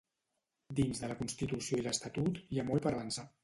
Dins de la constitució i l’estatut hi ha molt per avançar.